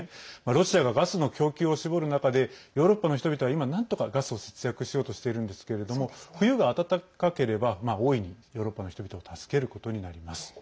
ロシアがガスの供給を絞る中でヨーロッパの人々は今なんとかガスを節約しようとしているんですけども冬が暖かければ大いにヨーロッパの人々を助けることになります。